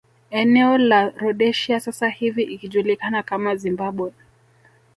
Eneo la Rhodesia sasa hivi ikijulikana kama Zimbabwe